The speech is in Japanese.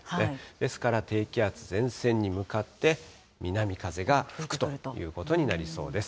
ですから低気圧、前線に向かって南風が吹くということになりそうです。